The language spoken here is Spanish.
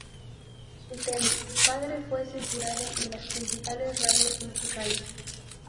Su tema "Padre" fue censurado en las principales radios musicales.